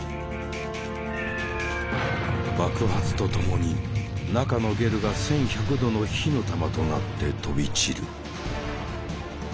爆発とともに中のゲルが１，１００度の火の玉となって飛び散る。